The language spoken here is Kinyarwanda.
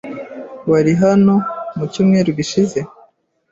Wari hano mucyumweru gishize?